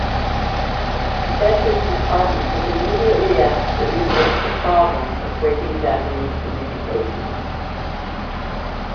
Desch's department was immediately asked to research the problems of breaking Japanese communications.